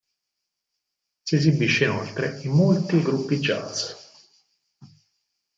Si esibisce inoltre in molti gruppi jazz.